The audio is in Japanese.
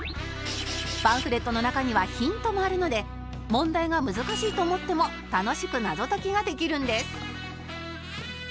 パンフレットの中にはヒントもあるので問題が難しいと思っても楽しく謎解きができるんです